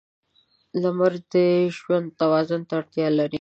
• لمر د ژوند توازن ته اړتیا لري.